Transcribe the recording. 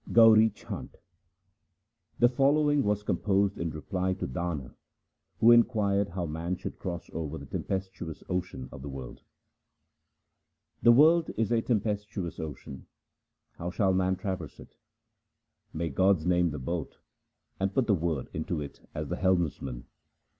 Gauri Chhant The following was composed in reply to Dana, who inquired how man should cross over the tem pestuous ocean of the world :— The world is a tempestuous ocean ; how shall man traverse it ? Make God's name the boat, and put the Word into it as the helmsman.